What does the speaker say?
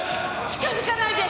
近づかないで！